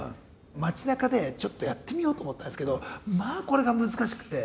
街なかでちょっとやってみようと思ったんですけどまあこれが難しくて。